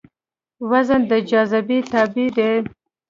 وزن د جاذبې تابع دی.